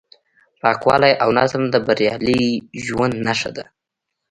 پاکوالی او نظم د بریالي ژوند نښه ده.